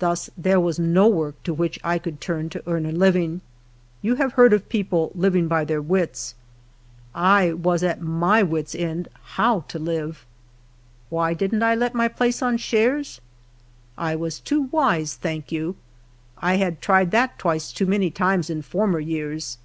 Thus there was no work to which I could turn to earn a living. You have heard of people '' living by their wits." 1 was at my wit's end how to live. Why didn't I let my place on shares? I was too wise, thank you ; I had tried that twice too many times in former years.